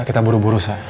kita buru buru sa